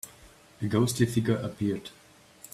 A ghostly figure appeared.